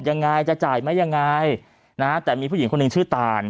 ยังไงจะจ่ายไหมยังไงนะแต่มีผู้หญิงคนหนึ่งชื่อตาน